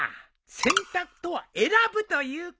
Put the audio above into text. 「選択」とは選ぶということじゃ。